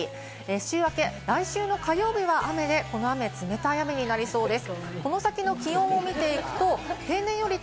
週明け、来週の火曜日は雨で、この雨、冷たい雨になりそうです。